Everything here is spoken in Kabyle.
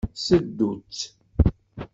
Seddu-tt.